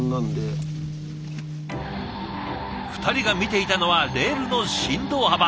２人が見ていたのはレールの振動幅。